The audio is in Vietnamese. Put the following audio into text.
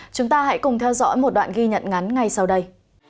chúng ta hãy cùng theo dõi một đoạn ghi nhận ngắn ngay sau đây